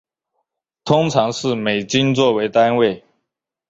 通常是美金做为单位。